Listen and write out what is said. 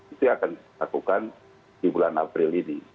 itu yang akan dilakukan di bulan april ini